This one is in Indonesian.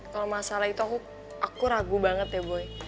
kalau masalah itu aku ragu banget ya boy